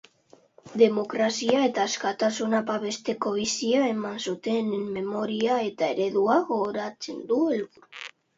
Demokrazia eta askatasuna babesteko bizia eman zutenen memoria eta eredua goratzea du helburu.